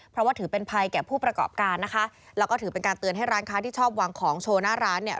เพราะว่าถือเป็นภัยแก่ผู้ประกอบการนะคะแล้วก็ถือเป็นการเตือนให้ร้านค้าที่ชอบวางของโชว์หน้าร้านเนี่ย